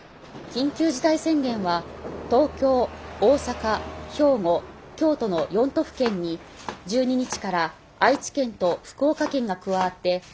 「緊急事態宣言は東京大阪兵庫京都の４都府県に１２日から愛知県と福岡県が加わって対象地域が６都府県に拡大されました。